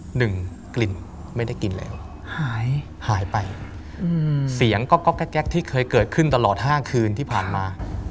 หนึ่งกลิ่นไม่ได้กินแล้วหายหายไปอืมเสียงก็ก๊อกแก๊กที่เคยเกิดขึ้นตลอดห้าคืนที่ผ่านมา